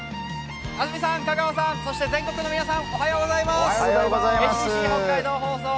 安住さん、香川さん、全国の皆さんおはようございます。